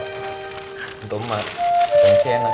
untung mak apa yang sih enak